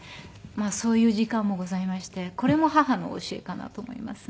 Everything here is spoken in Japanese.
そういう時間もございましてこれも母の教えかなと思いますね。